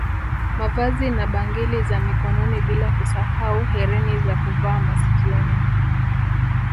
Mavazi na bangili za Mikononi bila kusahau hereni za kuvaa masikioni